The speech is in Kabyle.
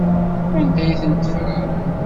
Anda ay ten-teffrem?